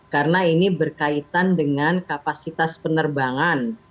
karena ini berkaitan dengan kapasitas penerbangan